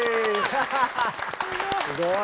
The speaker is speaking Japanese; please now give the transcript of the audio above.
すごい。